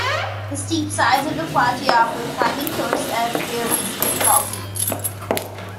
The steep sides of the plateau offer climbing tours of various difficulty.